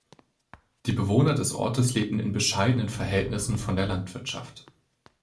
Die Bewohner des Ortes lebten in bescheidenen Verhältnissen von der Landwirtschaft.